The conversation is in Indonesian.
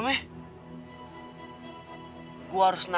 sampai ketemu di sana ya